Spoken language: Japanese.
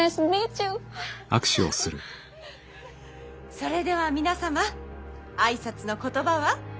それでは皆様挨拶の言葉は？